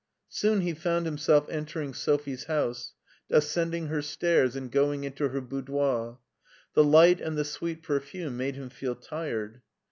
Soon he found himself entering Sophie's house, ascending her stairs, and going into her boudoir. The light and the sweet perfume made him feel tired.